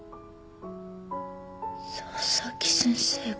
佐々木先生が。